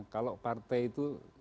kalau partai itu